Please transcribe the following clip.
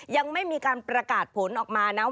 ยังไม่มีการประกาศผลออกมานะ